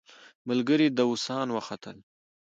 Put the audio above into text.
ملګري داووسان وختل.